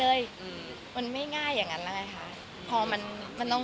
พอมันมันต้องนิดนึง